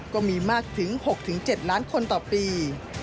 ก็มีมากถึง๖๗ล้านคนต่อปี